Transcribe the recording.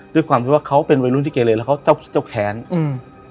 ด้วยความที่ว่าเขาเป็นวัยรุ่นที่เกเลแล้วเขาเจ้าเจ้าแค้นอืม